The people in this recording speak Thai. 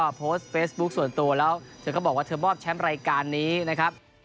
ก็โพสต์เฟซบุ๊คส่วนตัวแล้วเธอก็บอกว่าเธอมอบแชมป์รายการนี้นะครับ